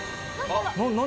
何？